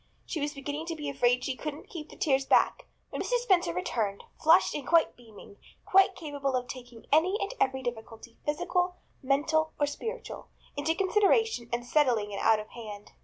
She was beginning to be afraid she couldn't keep the tears back when Mrs. Spencer returned, flushed and beaming, quite capable of taking any and every difficulty, physical, mental or spiritual, into consideration and settling it out of hand.